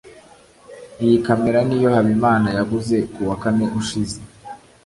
iyi kamera niyo habimana yaguze kuwa kane ushize